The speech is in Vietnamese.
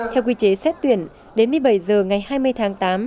theo quy chế xét tuyển đến một mươi bảy h ngày hai mươi tháng tám